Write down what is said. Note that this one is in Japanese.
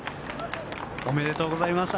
おめでとうございます。